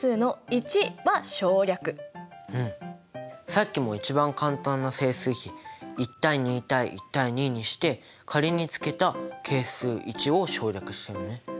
さっきも一番簡単な整数比１：２：１：２にして仮につけた係数１を省略したよね。